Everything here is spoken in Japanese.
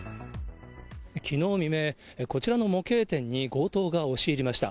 きのう未明、こちらの模型店に強盗が押し入りました。